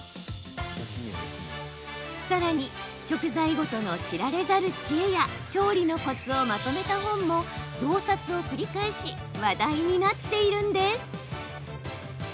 さらに、食材ごとの知られざる知恵や調理のコツをまとめた本も増刷を繰り返し話題になっているんです。